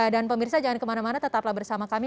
dan pemirsa jangan kemana mana tetaplah bersama kami